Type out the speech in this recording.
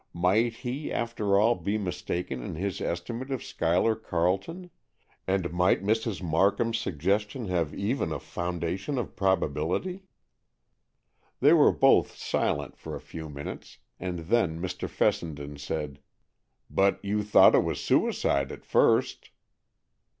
Might he, after all, be mistaken in his estimate of Schuyler Carleton, and might Mrs. Markham's suggestion have even a foundation of probability? They were both silent for a few minutes, and then Mr. Fessenden said, "But you thought it was suicide at first."